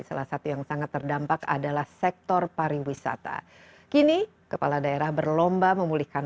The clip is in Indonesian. salah satu yang sangat terdampak adalah sektor pariwisata kini kepala daerah berlomba memulihkan